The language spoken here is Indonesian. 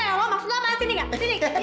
eh rasa elom maksud lo sama sini nggak